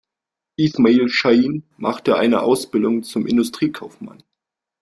İsmail Şahin machte eine Ausbildung zum Industriekaufmann.